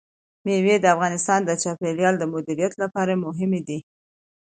مېوې د افغانستان د چاپیریال د مدیریت لپاره مهم دي.